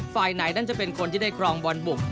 ฝ่ายไหนนั้นจะเป็นคนที่ได้ครองบอลบุก